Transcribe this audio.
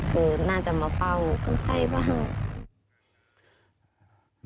คือน่าจะมาเฝ้าคนไข้บ้าง